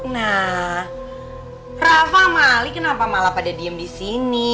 nah rafa sama ali kenapa malah pada diem disini